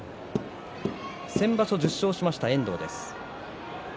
先場所１０勝しました遠藤です。